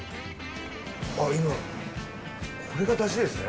あっ今これが出汁ですね。